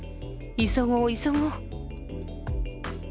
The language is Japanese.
急ごう急ごう。